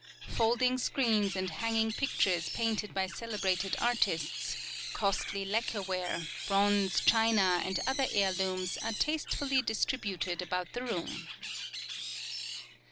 Folding screens and hanging pictures painted by celebrated artists, costly lacquer ware, bronze, china, and other heirlooms are tastefully distributed about the room.